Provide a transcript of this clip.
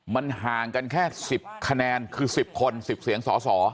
มันห่างกันแค่๑๐คะแนนคือ๑๐คน๑๐เสียงสส